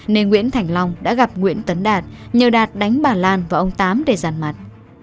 nên nguyễn thành long đã gặp nguyễn tấn đạt nhờ đạt đánh bà lan và ông tám để giàn mặt